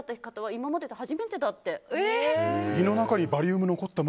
今までで初めてだったって。